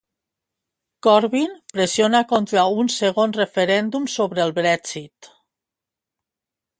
Corbyn pressiona contra un segon referèndum sobre el Brexit.